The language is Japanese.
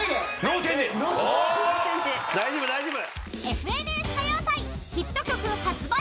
［『ＦＮＳ歌謡祭』］